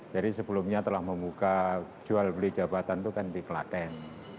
jadi sebelumnya telah membuka jual beli jabatan itu kan di klaten